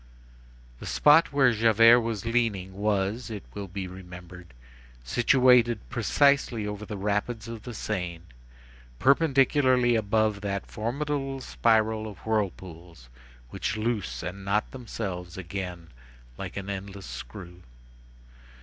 The spot where Javert was leaning was, it will be remembered, situated precisely over the rapids of the Seine, perpendicularly above that formidable spiral of whirlpools which loose and knot themselves again like an endless screw.